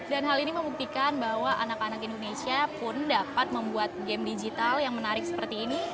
dan hal ini membuktikan bahwa anak anak indonesia pun dapat membuat game digital yang menarik seperti ini